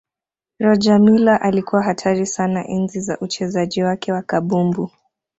rogermiller alikuwa hatari sana enzi za uchezaji wake wa kabumbu